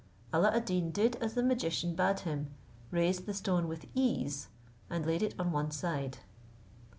Alla ad Deen did as the magician bade him, raised the stone with ease, and laid it on one side.